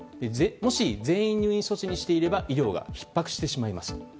もし、全員入院措置にしていれば医療がひっ迫してしまいます。